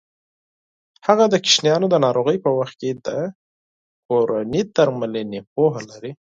هغه د ماشومانو د ناروغۍ په وخت کې د کورني درملنې پوهه لري.